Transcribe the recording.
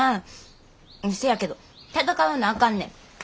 せやけど闘わなあかんねん。